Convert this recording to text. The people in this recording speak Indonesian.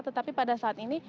tetapi pada saat ini